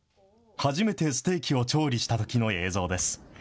初めてステーキを調理したときの映像です。